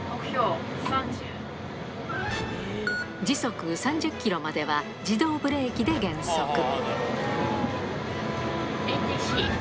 時速３０キロまでは自動ブレーキで減速